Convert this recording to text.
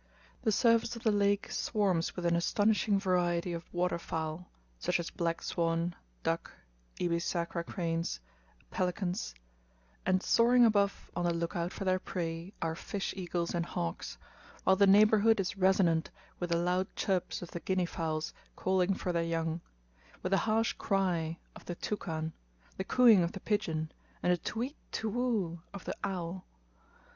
The surface of the lake swarms with an astonishing variety of water fowl; such as black swan, duck, ibis sacra cranes, pelicans; and soaring above on the look out for their prey are fish eagles and hawks, while the neighbourhood is resonant with the loud chirps of the guinea fowls calling for their young, with the harsh cry of the toucan, the cooing of the pigeon, and the "to whit, to whoo" of the owl.